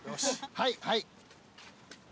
はいはい。